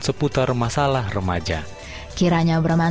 yesus mau datang segera